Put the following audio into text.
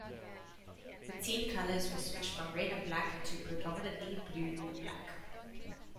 The team colours were switched from red and black to predominantly blue and black.